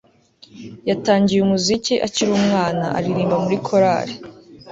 yatangiye umuziki akiri umwana, aririmba muri korali